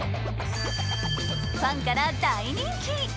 ファンから大人気！